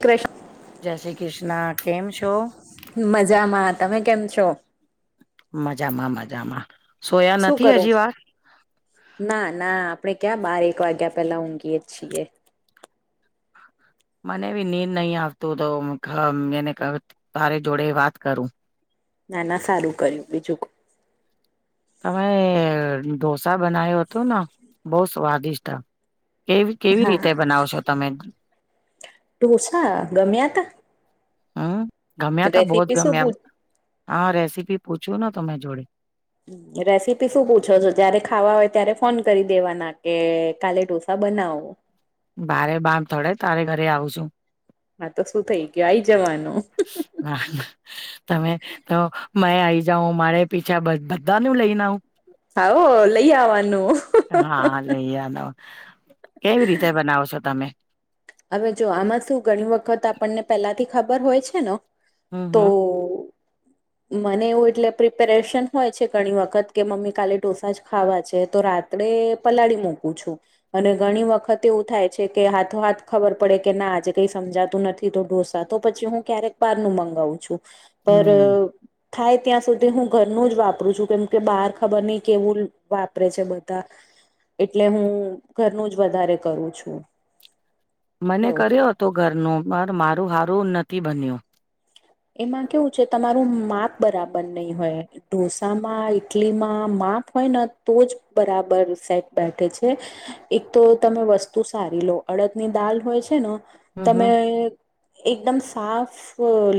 ક્રષ જય શ્રી કૃષ્ણ કેમ શો મજામાં તમે કેમ છો મજામાં મજામાં સોયા શું નથી કરો હજી છો વાર ના ના આપડણે ક્યાં બાર એક વાગ્યા પેલા ઊંઘીય છીએ મને બી નીર નહી આવતું તો એને તારી જોડે વાત કરું ના ના સારું કર્યું બીજું તમે ઢોસા બનાવ્યો હતો ને બહ સ્વાદિષ્ટ કેવી કેવી રીતે બનાવ છો તમે ટુંસા ગમ્યા ત હમ ગમ્યા તો બહ જ શું ગમ્યા પૂછ હા રેસીપી પૂછું ને તમે જોડે રેસીપી શું પૂછો છો જયારે ખાવા હોય ત્યારે ફોન કરી દેવાના કે કાલે ઢોસા બનાવો ભારે બામ થડે તારે ઘરે આવ છું હા તો શું થઇ ગયું આઈ જવાનું હા તમે તો મ આઈ જાાવ મારે પીછા બધા નું લઈને આવું હાો લઈ આવવાનું અ ન કેવી રીતે બનાવ છો તમે હવે જો આમાં શું ઘણી વખત આપણને પેલાથી ખબર હોય છે ને હમ હમ તો [inaudible] મને એવું એટલે પ્રિપેરેશન હોય છે ઘણી વખત કે મમ્મી કાલે ઢોસા જ ખાવા છે તો રાત આપ પલાળી મૂકું છું અને ઘણી વખત એવું થાય છે કે હાથો હાથ ખબર પડે કે ના આજે કઈ સમજાતું નથી તો ઢોસા તો પછી હું ક્યારેક બાર નું મંગાવું છું પર હમ્મ. થાય ત્યાં સુધી હું ઘરનું જ વાપરું છું કેમ કે બહાર ખબર નહી કેવું વાપરે છે બધા એટલે હું ઘરનું જ વધારે કરું છું. મને એવું કર્યો હતો ઘરનું મારું મારું હારું નથી બન્યું. એમાં કેવું છે તમારું માપ બરાબર નહી હોય. ઢોસામાં ઈટલી માં માપ હોય ને તો જ બરાબર સેટ બેઠે છે. એક તો તમે વસ્તુ સારી લો અડદની દાલ હોય છે ન. હમ્મ તમે હમ્મ. એકદમ સાફ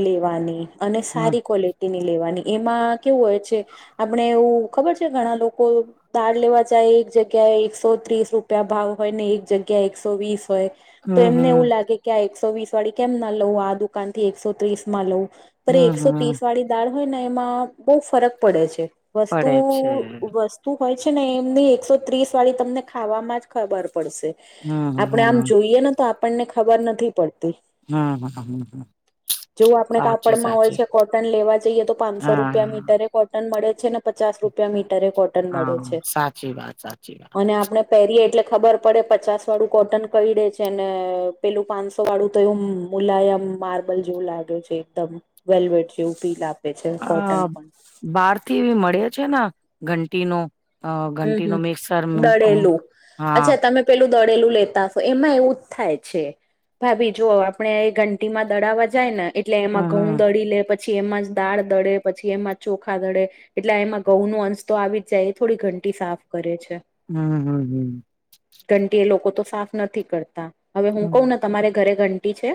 લેવાની અને સારી ક્વોલિટી તેની લેવાની એમાં કેવું હોય છે આપણે એવું ખબર છે ઘણા લોકો તાર લેવા જાય એક જગ્યાએ એકસો ત્રીસ રૂપિયા ભાવ હોય ને એક જગ્યા એકસો વીસ હોય. તો હમ્મ એમને હમ્મ એવું લાગે કે આ એકસો વીસ વાળી કેમ ના લઉ આ દુકાન થી એકસો ત્રીસ માં લઉું. પર હમ્મ હમ્મ એકસો હમ્મ. ત્રીસ વાળી દાળ હોય ને એમાં બહુ ફરક પડે છે. વસ્તુ પડે છે. વસ્ત. શું હોય છે ને એમની એકસો ત્રીસ વાળી તમને ખાવામાં જ ખબર પડશે. હમ્મ આપડે આમ હમ્મ જોઈએ ને તો આપણને ખબર નથી પડતી. હમ હમ હમ હ. જોવ આપડણે કાપડમાં હોય છે કોટન લેવા જઈએ તો પાંચસો હા રૂપિયા મીટરે કોટન મળે છે ને પચાસ રૂપિયા મીટરે કોટન મળે હા છે સાચી વાત સાચી વાત. અને આપણે પહેરીએ એટલે ખબર પડે પચાસ વાળું કોટન કેયળે છેને પેલું પાંચસો તો વાળું તો એવું મુલાયમ માર્બલ જેવું લાગ્યો છે એકદમ વેલ્વેટ જેવું પી લા. આ બહાર થી મળયા છે ને ઘંટીનો અ હમ ઘંટી નો હમ. મિક્સર દળેલું હા. અચ્છા તમે પેલું દળેલું લેતા હશો એમાં એવું જ થાય છે. ભાભી જો આપડણે એ ઘંટીમાં દડાવા જાય ને એટલે એમાં હમ્મ ઘઉં હમ્મ દળી લે પછી પછી એમાં જ દાળ દડે પછી એમાં ચોખા દડે એટલે એમાં ઘઉં નો અંશ તો આવી જ જાય એ થોડી ઘંટી સાફ કરે છે. હમ હમ હમ. ઘંટી એ લોકો તો સાફ નથી કરતા હવે હું કઉ હમ્મ. ને તમારે ઘરે ઘંટી છે.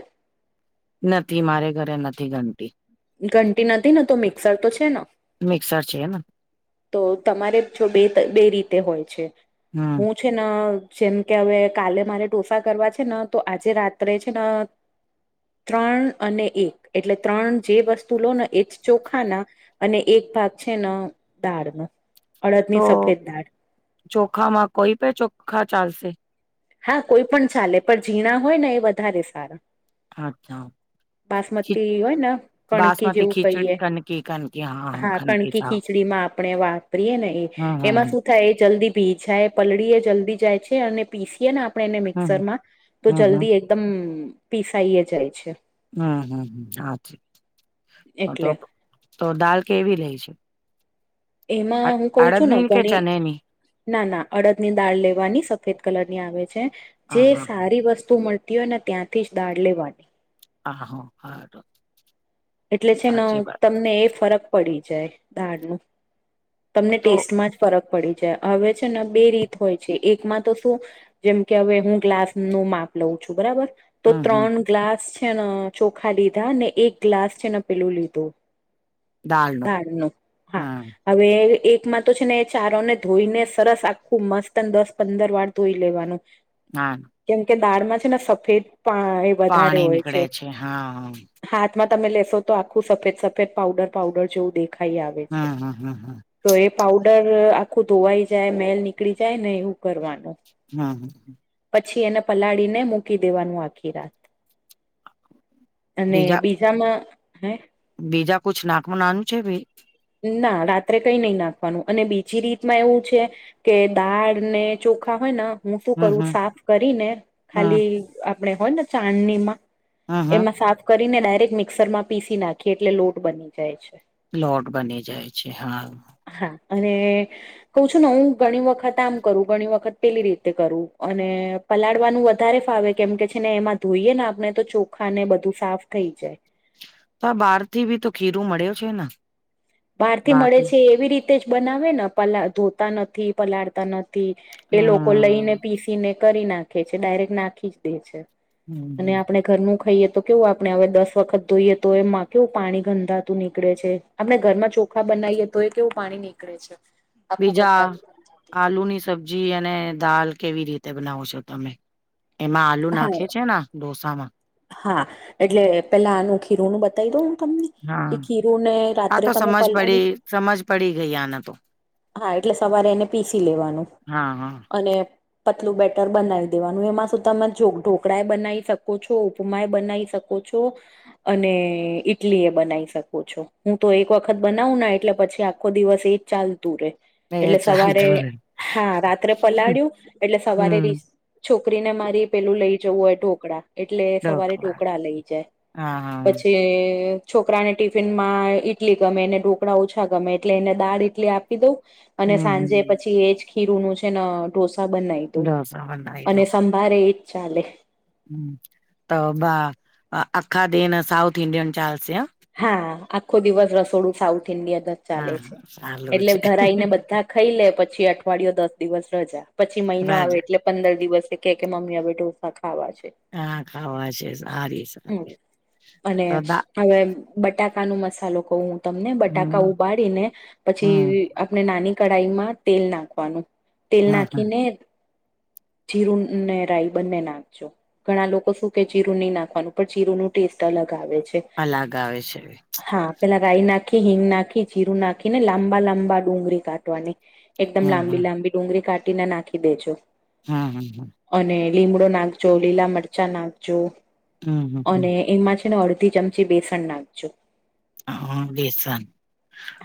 નથી મારે ઘરે નથી ઘંટી. ઘંટી નથી ને તો મિક્સર તો છે ન. મિક્સર છે એમ. તો તમારે જો બે બે રીતે હોય છે. હમ. હું છે ન જેમ કે હવે કાલે મારે ઢોસા કરવા છે ને તો આજે રાત્રે છે ન હ [inaudible] ત્રણ અને એક એટલે ત્રણ જે વસ્તુ લો ને એ જ ચોખાના અને એક ભાગ છે ન દાળ ન અડદ તો ની સફેદ દાળ ચોખામાં કોઈ પણે ચોખા ચાલશે હા કોઈ પણ ચાલે પણ ઝીણા હોય ને એ વધારે સારા અચ્છા. ખી બાસમતી હોય ને કણકી બાસમતી જેવું કહીએ ખીચડી કનકી કનકી હા કણકી કનકી ખીચ ચાવ ખીચડીમા આપણે વાપરીએ ને હે હમ એમાં હમ શું થાય જલ્દી ભીજાય પલળી એ જલ્દી જાય છે અને પીસીએ ને આપ આપણે એને હમ મિક્સરમાં તો હમ હમ જલ્દી એકદમ પીસાઈએ જાય છે. હમ હમ હાજ તો એટલે તો દાલ કેવી લે છે. એમાં અ હું કઉ છું ને અડદની કે ગણી ચનેની ના ના અડદની દાળ લેવાની સફેદ કલરની આવે છે જે હા હા સારી વસ્તુ મલ તી વો ને ત્યાથી જ દાળ લેવાની. હા હ હા તો. એટલે છે ને તમને એ ફરક પડી જાય દાળનુ તમને તો ટેસ્ટમાં જ ફરક પડી જાય હવે છે ને બે રીત હોય છે એકમાં તો શું જેમ કે હવે હું ગ્લાસનું માપ લઉ છું બરાબર. તો હમ હમ ત્રણ ગ્લાસ છે ન ચોખા લીધા ને એક ગ્લાસ છે ને પેલું લીધું. દાલ નું દાડનું હા. હમ હવે એકમાં તો છે ને એ ચારો ને ધોઈને સરસ આખું મસ્ત અને દસ પંદર વાર ધોઈ લેવાનું. હા. કેમ કે દાળમાં છે ને સફેદ પા વધારે પાણી હોય નીકળે છે હા હા. હાથમાં તમે લેશો તો આખું સફેદ સફેદ પાઉડર પાઉડર જેવું દે ખાઈ આવે છે. હમ હમ હમ હમ તો એ પઉડર આખું ધોવાઈ જાય મેલ નીકળી જાય ને એવું કરવાનું. હા. પછી એને પલાળીને મૂકી દેવાનું આખી રાત. અને બીજા બીજામાં હે. બીજા કુછ નાખમાં નાનું છે ભઈ? ના રાત્રે કઈ નઈ નાખવાનું અને બીજી રીતમાં એવું છે. કે દાળને ચોખા હોય ન. હું શું હમ કરું હમ સાફ કરીને હમ ખાલી આપણેે હોય ને ચાંનડીમાં હમ હમ એમાં સાફ કરીને ડાયરેક્ટ મિક્સરમાં પીસી નાખીએ એટલે લોટ બની જાય છે. લોટ બની જાય છે હા. હા, અને કોઉ છું નવુ ઘણી વખત આમ કરું ઘણી વખત પેલી રીતે કરું અને પલાળવાનું વધારે ફાવે કેમ કે છે ને એમાં ધોઈએ ને આપણે તો ચોખા ને બધું સાફ થઈ જાય. તા બારથી બી તો ખીરું મળ્યો છે ના. બારથી મળે છે એવી રીતે જ બનાવે ન પલા ધોતા નથી પલાળતા નથી. થી એ લોકો લઈને હમ પીસીને કરી નાખે છે ડાયરેક્ટ નાખી જ દે છે. હમ અને હમ આપણે ઘરનું ખાઈએ તો કેવું આપણે હવે દસ વખત ધોઈએ તો એમાં કેવું પાણી ગંધાતું નીકળે છે આપણે ઘરમાં ચોખા બનાયે તોયે કેવું પાણી નીકળે છે. આખું બીજા ગંધાતું ગંધાતું આલુની સબ્જી અને દાલ કેવી રીતે બનાવો છો તમે? એમાં આલુ હા નાખે છે ના ઢોસામાં? હા, એટલે પેલા આનું ખીરનું બ દઈ દઉ તમને એ હા ખીરુંને આ રાત્રે તો તમે સમજ પલાળી પડી સમજ પડી ગઈ આને તો હા, એટલે સવારે એને પીસી લેવાનું હા હા અને પતલું બેટર બનાવી દેવાનું એમાં શું તમે ઢોકળા એ બનાય શકો છો. તો ઉપમાય બનાય શકો છો. અને ઈટલી એ બનાય શકું છો હું તો એક વખત બનાવું ના એટલે પછી આખો દિવસ એ ચાલતુ રે. એ એટલે સવારે ચાલતું રે હા, રાત્રે પલાળ્યું એટલે સવારે રી છોકરીને મારી પેલું લઈ જવું હોય ઢોકળા. એટલે સવારે ઢોકળા લઈ જાય હા હા પછી છોકરાને ટિફિનમાં ઈટલી ગમે એને ઢોકળા ઓછા ગમે એટલે એને દાળ ઇટલી આપી દઉ. અને હમ સાંજે હમ પછી એજ ખીરુંનું છે ન ઢોસા બનાય દઉ ઢોસા બનાવી અને સમ મારે એજ ચાલે. ત બા આખા દેન સાઉથ ઇન્ડિયન ચાલશે હા. હા આખો દિવસ રસોડું સાઉથ ઇન્ડિયન જ ચાલે છે હા સારું એટલે છે ધરાઈ ને બધા ખાઈ લે પછી અઠવાડિયુ દસ દિવસ રજા પછી મહિનો રાજ આવે એટલે પંદર દિવસે કે કે મમ્મી હવે ઢોસા ખાવા છે. હા ખાવા છે સારી હમ સારી તો અને દા હવે બટાકા નો મસાલો કવું હું તમને બટાકા હમ ઉબાડીને હમ પછી આપણે નાની કઢાઈમાં તેલ નાખવાનું, તેલ હમ હમ નાખીને જીરું ને, રાઈ બંને નાખજો. ઘણા લોકો શું કે જીરૂ નહીં નાખવાનું, પણ જીરૂ નું ટેસ્ટ અલગ આવે. અલગ આવે છે. હા, પેલા રાય નાખી, હિંગ નાખી, જીરું નાખીને લાંબા લાંબા ડુંગળી કાઢવાની. એકદમ હમ હમ લાંબી-લાંબી ડુંગળી કાઢીને નાખી દેજો. હા. અને લીમડો નાખજો, લીલા મરચાં નાખજો. હમ હમ હમ અને એમાં છે ને, અડધી ચમચી બેસન નાખજો. હ, બેસન.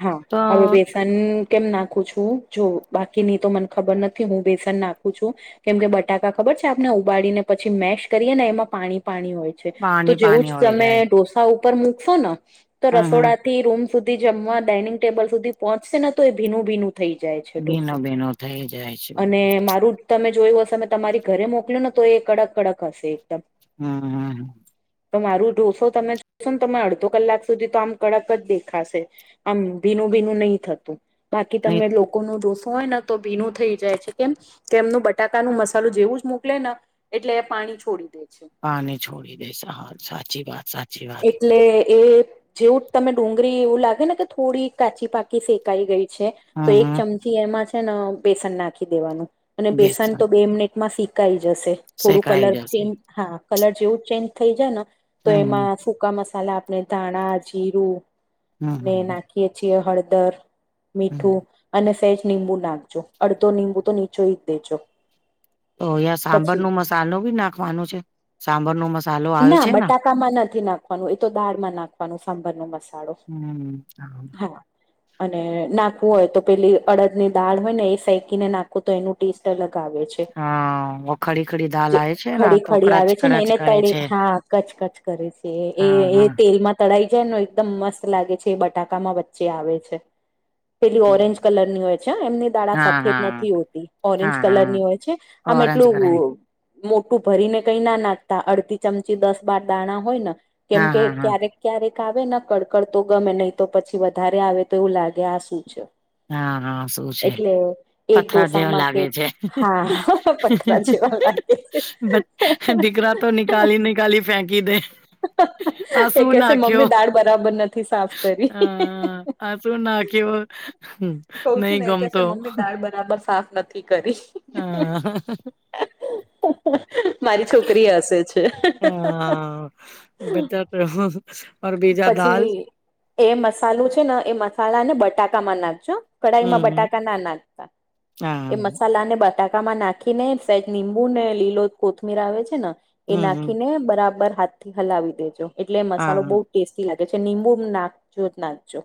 હા, તો હવે. ન કેમ નાખું છું, જો બાકીની તો મને ખબર નથી, હું બેસન નાખું છું. કેમ કે બટાકા ખબર છે, આપને ઉબાડીને પછી મેશ કરીએ ને એમાં પાણી પાણી તો પાણી જેવું જ પાણી હોય તમે જાય ઢોસા મુકશો ને, તો હમ હમ રસોડાથી રૂમ સુધી જમવા ડાઇનિંગ ટેબલ સુધી પહોંચશે ને, તો એ ભીનું ભીનું થઈ જાય છે, ભીનો ઢોસું ભીનો થઈ જાય છે અને મારું તમે જોયું હશે, અમે તમારી ઘરે મોકલ્યું ને, તો એ કડક કડક હશે એકદમ. હમ. તો મારું ઢોસો તમે જોશો ને, તમે અડધો કલાક સુધી તો આમ કડક જ દેખાશે. આમ ભીનું ભીનું નહીં થતું, બાકી નહી તમે લોકોનું ઢોસુ હોય ને, તો ભીનું થઈ જાય છે, કેમ કે એમનું બટાકાનું મસાલું જેવું જ મોકલે. એટલે એ પાણી છોડી દે. પાણી છોડી દે હાલ, સાચી વાત સાચી. વાત એટલે એ જેવું તને ડુંગળી એવું લાગે ને, કે થોડી કાચી પાકી શેકાઈ ગઈ છે, તો હમ એક હમ થી એમાં છે ને, બેસન નાખી દેવાનું અને બેસન તો બે મિનિટમાં શેકાઈ જશે. થોડું શેકાઈ કલર જશે ચેન્જ, હા, કલર જેવું ચેન્જ થઈ જાય ને, તો હમ એમાં સૂકા મસાલા આપણે ધાણા જીરું હમ ને હમ નાખીએ છીએ, હળદર હમ મીઠું અને સેજ નીબુ નાખજો, અડધો નીબુ તો નીચોઈ જ દેજો. તો અહીંયા સાંબર પછી નો મસાલો ભી નાખવાનું છે, સાંબર નો મસાલો આવે ના છે ને બટાકામાં નથી નાખવાનું, એ તો દાળમાં નાખવાનું સાંભર નો મસાલો. હા. અને નાખવું હોય, તો પેલી અડદ ની દાળ હોય ને, એ શેકીને નાખવું તો એનું ટેસ્ટ અલગ આવે છે. હા, વ ખડી ખડી દાલ જે આવે છે ને, ખડી તો ખડી કડચ આવે છે ને કડચ એને કરે તળી છે. હા, કચ કચ કરે છે, એ હા એ હા તેલમાં તળાઈ જાયને, એકદમ મસ્ત લાગે છે, એ બટાકામાં વચ્ચે આવે છે. પેલી ઓરેન્જ કલર ની હોય છે, એમની દાળા હા સફેદ હા નથી હોતી, ઓરેન્જ હા કલર ની હા હોય છે. આમ ઓરેન્જ એટલું કલર મોટું ભરીને કઈ ના નાખતા અડધી ચમચી દસ-બાર દાણા હોય ને. કેમ હા કે હા હા ક્યા ક્યારેક આવે ને કડકડ તો ગમે નહી, તો પછી વધારે આવે તો, એવું લાગે આ શું છે. હા, હા, શું છે? એટલે એક પથ્થર જેવો ઢોસામાં લાગે કે છે. હા પથરા જેવા લાગે છે. દીકરા તો નિકાલે ની ફેંકી દે. આ એ શું કેશે નાખ્યો? મમ્મી દાળ બરાબર નથી સાફ કરી. હમ. અજું નાખવા. કઉ છું ને, એ કે છે, મમ્મી, દાળ બરાબર સાફ નથી કરી. હા. મારી છોકરી હશે જ. હા, બધા. ઓર બીજા દાલ પછી એ મસાલું છે ને એ મસાલા ને બટાકામાં નાખજો કઢાઈ માં હમ બટાકા ના નાખતા એ હા મસાલા ને બા બટાકામાં નાખીને સાહેદ લીંબુ ને લીલો કોથમીર આવે છે ને એ હમ હમ. નાખીને બરાબર હાથથી હલાવી દેજો એટલે મસાલો હા બહુ ટેી લાગે છેંબુ નાખજો જ નાખજો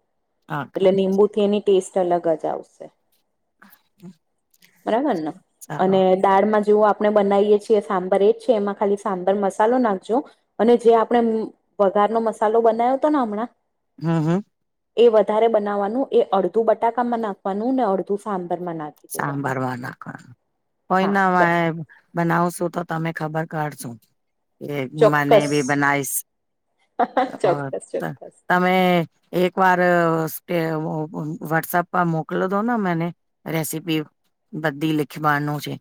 એટલે આખા લીંબુ થી એની ટેસ્ટ અલગ જ આવશે બરાબર ને ચાલો અને દાળમાં જેવ આપણે બનાવીએ છીએ સાંબર એ જ છે એમાં ખાલી સાંબર મસાલો નાખજો અને જે આપણે વઘારનોો મસાલો બનાવ્યો હતો ને હમણાં હમ હમ એ વધારે બનાવવાનું એ અડધું બટાકામાં નાખવાનું ને અડધું સાંભર માં નાખ સાંભર વા નાખ હા કોઈના વા બસ બનાવશો તો તમે ખબર કાઢશો એ મને ચોક્કસ ભી બનાઈ ચોક્કસ ચોક્કસ તમે એક વાર સ વોટ્સઅપ પર મોકલો દો ને મને રેસીપી બધી લીખવાનું છે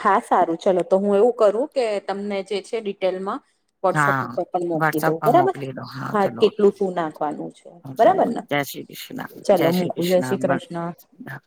હા સારું ચલો તો હું એવું કરું કે તમને જે છે ડિટેલમાં વોટસઅપ હા ઉપર પણ મુકી દઉ વોટ્સઅપ પર બરાબર મોકલી દો હા ચલો કેટલું શું નાખવાનું છે ચલો બરાબર ને જય શ્રી કૃષ્ણ ચલો મૂકું જ શ્રી કૃષ્ણ હ [unintelligible]